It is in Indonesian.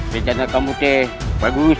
rencana kamu bagus